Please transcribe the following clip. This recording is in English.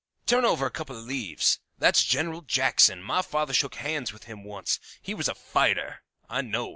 "Turn over a couple of leaves. That's General Jackson. My father shook hands with him once. He was a fighter, I know.